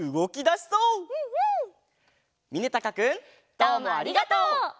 どうもありがとう！